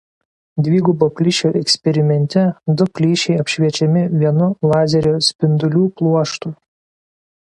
Dvigubo plyšio eksperimente du plyšiai apšviečiami vienu lazerio spindulių pluoštu.